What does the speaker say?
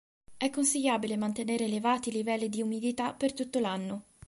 È consigliabile mantenere elevati livelli di umidità per tutto l'anno.